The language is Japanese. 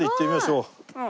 うん。